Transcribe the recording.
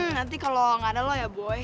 nanti kalau gak ada lo ya boy